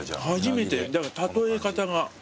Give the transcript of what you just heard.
だから例え方が。